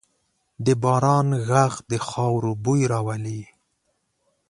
د باران ږغ د خاورو بوی راولي.